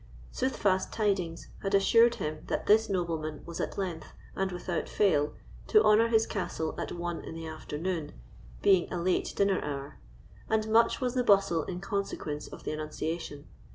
Soothfast tidings had assured him that this nobleman was at length, and without fail, to honour his castle at one in the afternoon, being a late dinner hour; and much was the bustle in consequence of the annunciation.